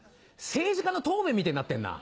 政治家の答弁みてぇになってんな。